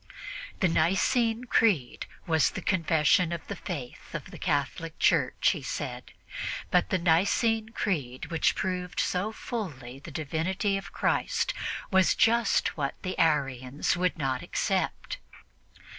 The Nicene Creed was the confession of Faith of the Catholic Church, he said. But the Nicene Creed, which proved so fully the divinity of Christ, was just what the Arians would not accept.